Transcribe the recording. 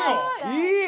いい！